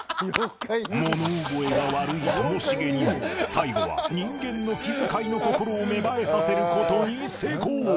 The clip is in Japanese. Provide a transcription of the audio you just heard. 物覚えが悪いともしげにも最後は人間の気遣いの心を芽生えさせる事に成功